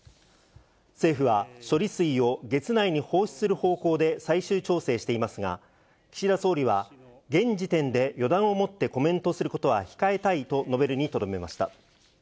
政府は、処理水を月内に放出する方向で最終調整していますが、岸田総理は、現時点で予断をもってコメントすることは控えたいと述べるにとどめました。